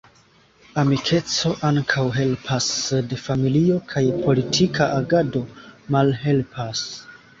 Amikeco ankaŭ helpas, sed familio kaj politika agado malhelpas.